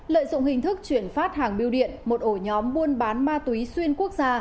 lợi dụng hình thức chuyển phát hàng biêu điện một ổ nhóm buôn bán ma túy xuyên quốc gia